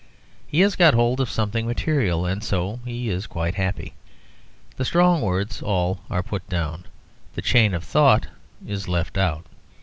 He has got hold of something material, and so he is quite happy. The strong words all are put in; the chain of thought is left out.